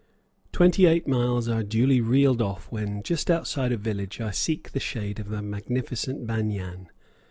Twenty eight miles are duly reeled off when, just outside a village, I seek the shade of a magnificent banyan.